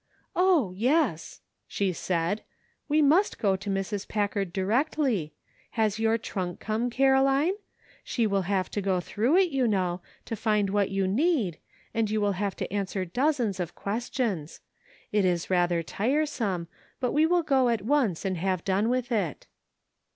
" O, yes!" she said; "we must go to Mrs. Packard directly. Has your trunk come, Caro line? She will have to go through it, you know, to find what you need, and you will have to answer dozens of questions ; it is rather tiresome, but we will go at once and have done with it.